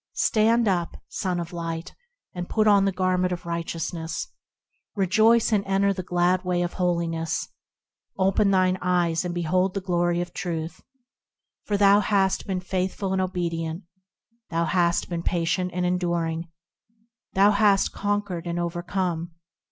Stand up, Son of Light I and put on the garment of righteousness ; Rejoice ! and enter the glad way of holiness ; Open thine eyes, and behold the glory of Truth; For thou hast been faithful and obedient; Thou hast been patient and enduring ; Thou hast conquered and overcome.